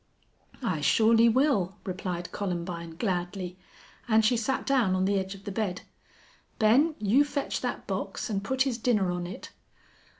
"I surely will," replied Columbine, gladly, and she sat down on the edge of the bed. "Ben, you fetch that box and put his dinner on it."